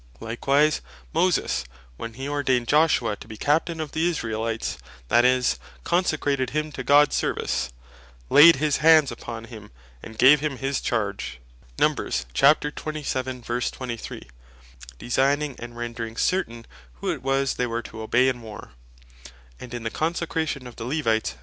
Likewise Moses when he ordained Joshua to be Captain of the Israelites, that is, consecrated him to Gods service, (Numb. 27.23.) "Laid his hands upon him, and gave him his Charge," designing and rendring certain, who it was they were to obey in war. And in the consecration of the Levites (Numb.